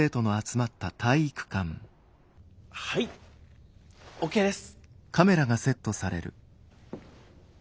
はいＯＫです。